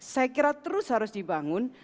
saya kira terus harus dibangun